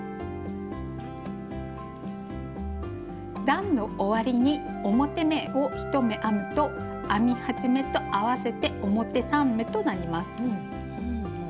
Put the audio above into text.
段の終わりに表目を１目編むと編み始めと合わせて表３目となります。